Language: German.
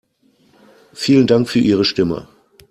Vielen Dank für Ihre Stimme.